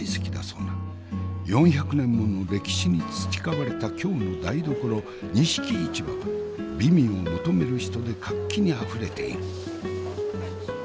４００年もの歴史に培われた京の台所錦市場は美味を求める人で活気にあふれている。